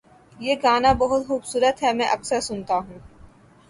یہ گانا بہت خوبصورت ہے، میں اکثر سنتا ہوں